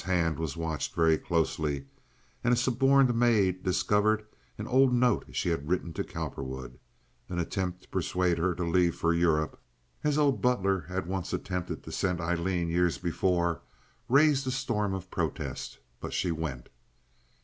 Hand was watched very closely, and a suborned maid discovered an old note she had written to Cowperwood. An attempt to persuade her to leave for Europe—as old Butler had once attempted to send Aileen years before—raised a storm of protest, but she went.